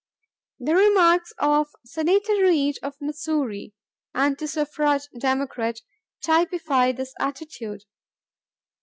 The remarks of Senator Reed of Missouri, anti suffrage Democrat, typify this attitude.